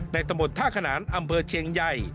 ตะมดท่าขนานอำเภอเชียงใหญ่